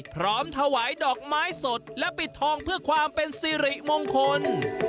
พร้อมถวายดอกไม้สดและปิดทองเพื่อความเป็นสิริมงคล